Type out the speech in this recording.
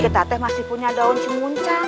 si ketate masih punya daun cemuncang